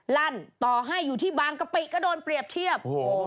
ลั่นต่อให้อยู่ที่บางกะปิก็โดนเปรียบเทียบ